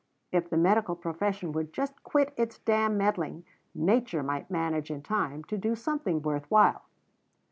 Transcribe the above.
If the medical profession would just quit its damn meddling, nature might manage, in time, to do something worth while."